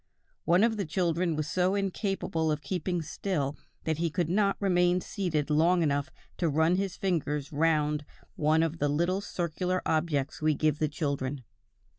One of the children was so incapable of keeping still that he could not remain seated long enough to run his fingers round one of the little circular objects we give the children.